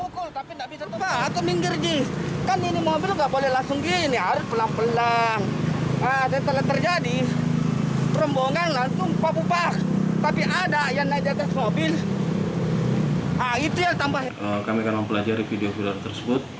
kami akan mempelajari video film tersebut